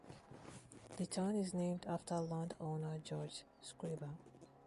The town is named after landowner George Scriba.